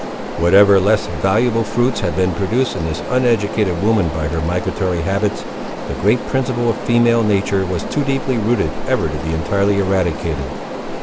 Whatever less valuable fruits had been produced in this uneducated woman by her migratory habits, the great principle of female nature was too deeply rooted ever to be entirely eradicated.